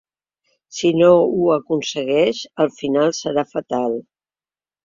I si no ho aconsegueix, el final serà fatal.